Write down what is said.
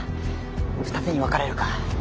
二手に分かれるか。